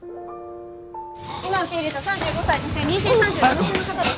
今受け入れた３５歳女性妊娠３７週の方です。